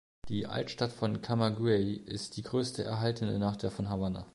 Die Altstadt von Camagüey ist die größte erhaltene nach der von Havanna.